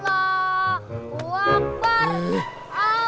allah hu akbar